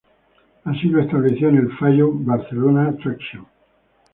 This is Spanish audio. Así lo estableció en el fallo Barcelona traction.